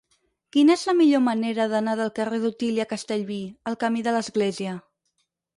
Quina és la millor manera d'anar del carrer d'Otília Castellví al camí de l'Església?